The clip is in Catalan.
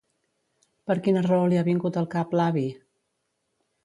Per quina raó li ha vingut al cap l'avi?